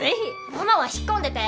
ママは引っ込んでて！